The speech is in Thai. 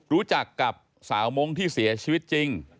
รู้จักกับสาวมงค์ที่เสียชีวิตจริง